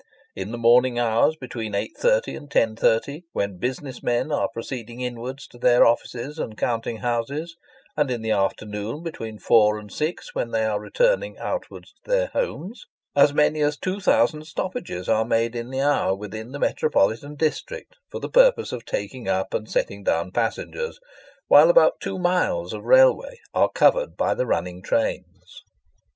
In the morning hours, between 8.30 and 10.30, when business men are proceeding inwards to their offices and counting houses, and in the afternoon between four and six, when they are returning outwards to their homes, as many as two thousand stoppages are made in the hour, within the metropolitan district, for the purpose of taking up and setting down passengers, while about two miles of railway are covered by the running trains.